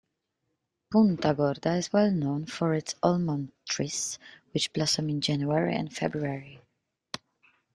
Puntagorda is well known for its almond trees which blossom in January and February.